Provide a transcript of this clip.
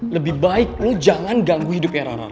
lebih baik lo jangan ganggu hidup era raranya